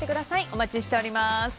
お待ちしております。